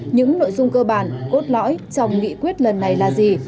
những nội dung cơ bản cốt lõi trong nghị quyết lần này là gì